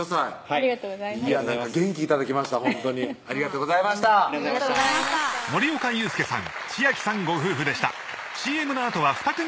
ありがとうございます元気頂きましたほんとにありがとうございましたありがとうございましたそれでは続いての新婚さん